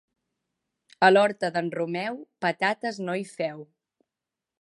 A l'horta d'en Romeu patates no hi feu.